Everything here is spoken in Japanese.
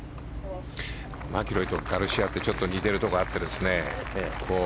マキロイとガルシアってちょっと似てるところがあって。